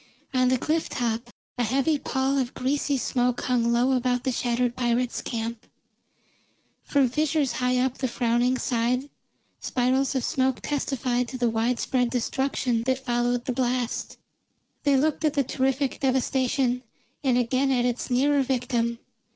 On the cliff top a heavy pall of greasy smoke hung low about the shattered pirates' camp; from fissures high up the frowning side spirals of smoke testified to the wide spread destruction that followed the blast. They looked at the terrific devastation, and again at its nearer victim.